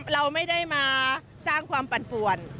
เราไม่ได้มาสร้างความปั่นป่วน